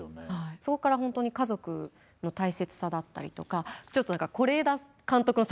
そこから本当に家族の大切さだったりとかちょっと是枝監督の作品を見てるくらいの。